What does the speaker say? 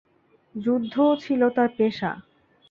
যুদ্ধ ছিল তার পেশা।